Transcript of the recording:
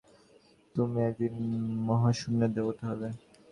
তুমি একদিন মহাশূন্যের দেবতা হবে!